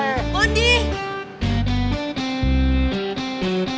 efek nak jadi anak yang motor